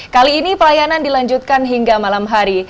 kali ini pelayanan dilanjutkan hingga malam hari